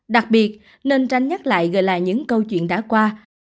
đặc biệt nên tranh nhắc lại gửi lại những câu chuyện đã qua